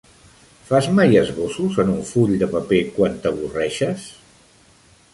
Fas mai esbossos en un full de paper quan t'avorreixes?